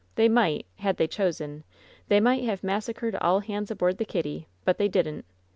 They might — ^had they chosen — ^they might have massacred all hands aboard the Kitty, but they didn't